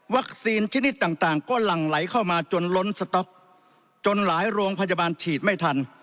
ชนิดต่างต่างก็หลั่งไหลเข้ามาจนล้นสต๊อกจนหลายโรงพยาบาลฉีดไม่ทัน